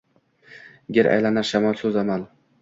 Gir aylanar shamol – soʼzamol